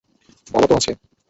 বাবা তো আছে?